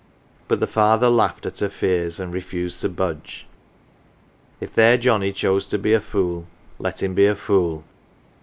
But the father laughed at her fears and refused to budge. If their Johnnie chose to be a fool, let him be a fool.